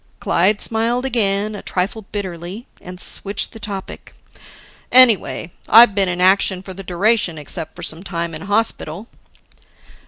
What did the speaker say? Clyde smiled again, a trifle bitterly and switched the topic. "Anyway, I've been in action for the duration except some time in hospital."